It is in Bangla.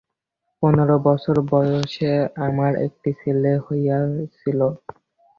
পনেরো বছর বয়সে আমার একটি ছেলে হইয়াছিল।